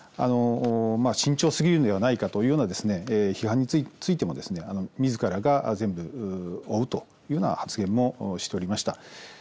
慎重すぎるのではないかというような批判についてもみずからが全部を負うというような発言もしておりました。